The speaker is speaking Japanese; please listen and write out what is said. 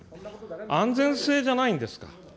安全性じゃないんですか。